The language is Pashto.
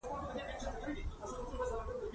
او د جومات شاوخواته درېدلي وو.